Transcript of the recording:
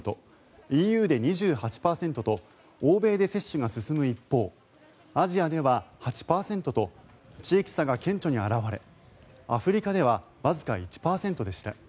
ＥＵで２８％と欧米で接種が進む一方アジアでは８％と地域差が顕著に表れアフリカではわずか１％でした。